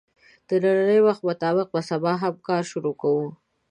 د نني وخت مطابق به سبا هم کار شروع کوو